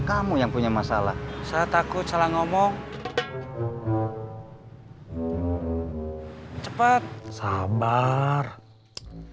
kalo nengok orang sakit biasanya bawanya jeruk